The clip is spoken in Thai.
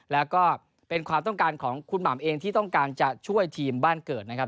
แล้วก็เป็นความต้องการของคุณหม่ำเองที่ต้องการจะช่วยทีมบ้านเกิดนะครับ